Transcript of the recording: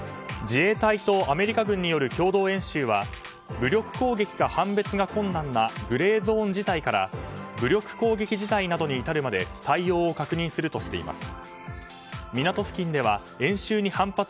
自衛隊とアメリカ軍による共同演習は武力攻撃か判別が困難なグレーゾーン事態から武力攻撃事態などに至るまで対応を確認するとしています。